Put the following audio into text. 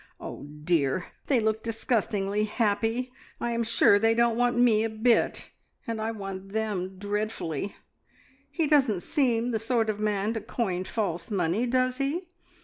Oh dear, they look disgustingly happy! I am sure they don't want me a bit, and I want them dreadfully. He doesn't seem the sort of man to coin false money, does he?